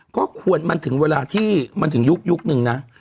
ก็ควรมันถึงเวลาที่มันถึงยุคนึงนะ